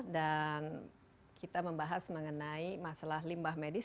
dan kita membahas mengenai masalah limbah medis